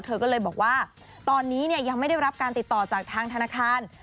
เธอก็เลยบอกว่าตอนนี้ยังไม่ได้รับการติดต่อจากทางธนาคาร